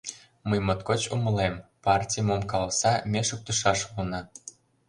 Мый моткоч умылем: партий мом каласа — ме шуктышаш улына!